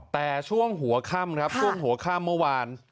แต่ช่วงหัวค่ำครับช่วงหัวข้ามเมื่อวาน